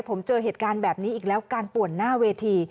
ผมเจอเหตุการณ์แบบนี้อีกแล้วการป่วนหน้าเวที